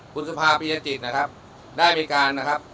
คุณสุภาพิยจิตนะครับได้มีการนะครับ